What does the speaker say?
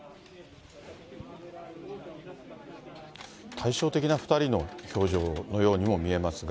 対照的な２人の表情のようにも見えますが。